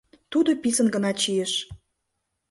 Тудо писын гына чийыш.